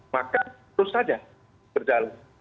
maka terus saja terjadi